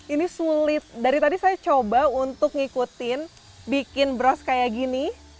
ini sulit dari tadi saya coba untuk mengikuti bikin bros seperti ini